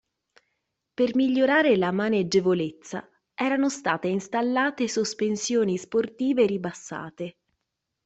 Per migliorare la maneggevolezza erano state installate sospensioni sportive ribassate.